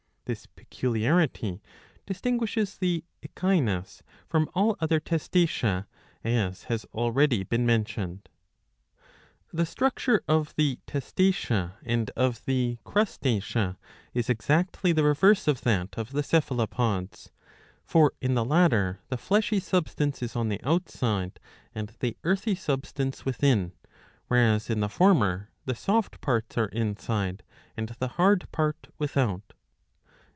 This peculiarity distinguishes the Echinus from all other Testacea, as has already been mentioned. The structure of the Testacea and of the Crustacea is exactly the reverse of that of the Cephalopods. For in the latter the fleshy substance is on the outside and the earthy substance within, whereas in the former the soft parts are inside and the hard part without.